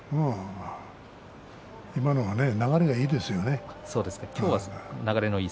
今のはね流れがいいですよね。